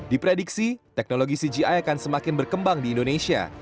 di prediksi teknologi cgi akan semakin berkembang di indonesia